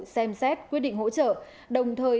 xem xét quyết định hỗ trợ đồng thời